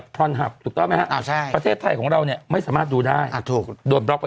เป็นอาชีพของลูกเขา